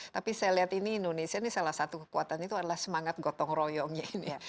tapi saya lihat ini indonesia ini salah satu kekuatan itu adalah semangat gotong royongnya ini ya